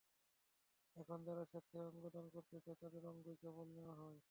এখন যারা স্বেচ্ছায় অঙ্গ দান করতে চায়, তাদের অঙ্গই কেবল নেওয়া হয়।